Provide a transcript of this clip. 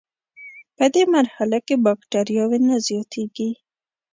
پدې مرحله کې بکټریاوې نه زیاتیږي.